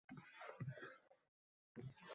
Kechki payt yana qo`ng`iroq jiringladi